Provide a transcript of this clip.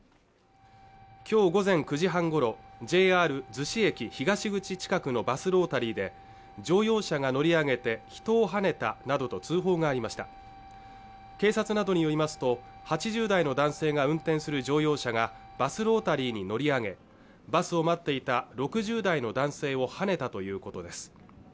きょう午前９時半ごろＪＲ逗子駅東口近くのバスロータリーで乗用車が乗り上げて人をはねたなどと通報がありました警察などによりますと８０代の男性が運転する乗用車がバスロータリーに乗り上げバスを待っていた６０代の男性をはねたということです